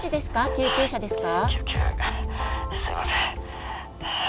救急車ですか？